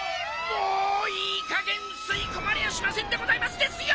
もういいかげんすいこまれやしませんでございますですよ！